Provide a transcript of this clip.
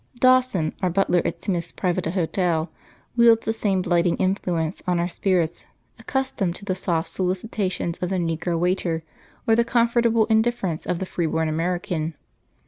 Dawson, our butler at Smith's private hotel, wields the same blighting influence on our spirits, accustomed to the soft solicitations of the negro waiter or the comfortable indifference of the free born American.